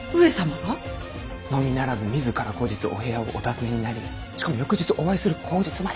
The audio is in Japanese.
のみならず自ら後日お部屋をお訪ねになりしかも翌日お会いする口実まで。